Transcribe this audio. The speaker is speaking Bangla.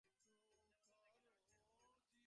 পদে পদে দেখিলাম, সেরূপ হয় না।